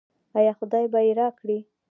آیا خدای به یې راکړي؟